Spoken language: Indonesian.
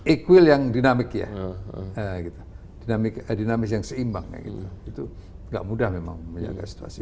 equal yang dinamiknya dinamik dinamis yang seimbang itu enggak mudah memang menjaga situasi